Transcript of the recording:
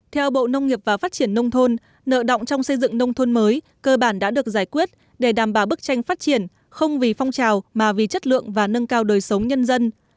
theo bộ nông nghiệp và phát triển nông thôn nợ động trong xây dựng nông thôn mới cơ bản đã được giải quyết để đảm bảo bức tranh phát triển không vì phong trào mà vì chất lượng và nâng cao đời sống nhân dân